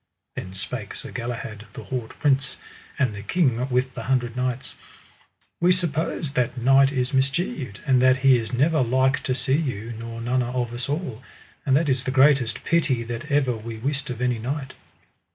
Then spake Sir Galahad, the haut prince, and the King with the Hundred Knights: We suppose that knight is mischieved, and that he is never like to see you nor none of us all, and that is the greatest pity that ever we wist of any knight.